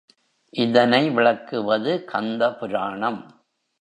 இதனை விளக்குவது கந்தபுராணம்.